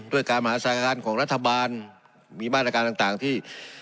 ด้วยการมหาศาลการของรัฐบาลมีมาตรการต่างที่